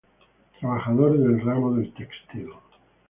Trabajador del ramo del textil.